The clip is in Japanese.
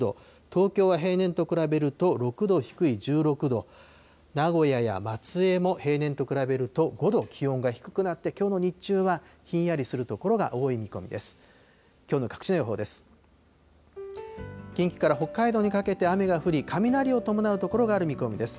東京は平年と比べると、６度低い１６度、名古屋や松江も平年と比べると５度気温が低くなって、きょうの日中はひんやりする所が多い見込みです。